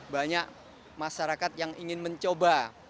banyak masyarakat yang ingin mencoba